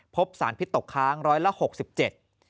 พบสารพิษตกค้าง๑๖๗บาท